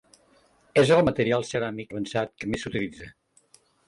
És el material ceràmic avançat que més s’utilitza.